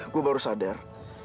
gue baru sadar